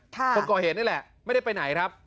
คนก่อเหตุนี่แหละไม่ได้ไปไหนครับ